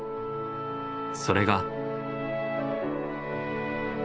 それが。